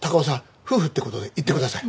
夫婦って事で行ってください。